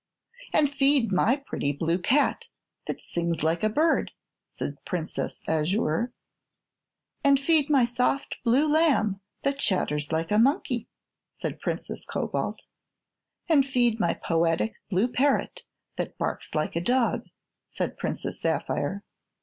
"And feed my pretty blue cat that sings like a bird," said Princess Azure. "And feed my soft blue lamb that chatters like a monkey," said Princess Cobalt. "And feed my poetic blue parrot that barks like a dog," said Princess Sapphire.